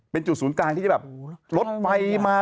เป็นจุดศูนย์กลางที่จะแบบรถไฟมา